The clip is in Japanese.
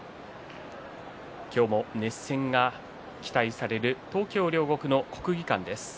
今日も熱戦が期待される東京・両国の国技館です。